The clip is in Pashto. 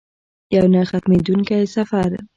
یو نه ختمیدونکی سفر.